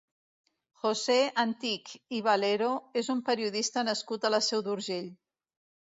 José Antich i Valero és un periodista nascut a la Seu d'Urgell.